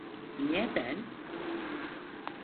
Niye ben?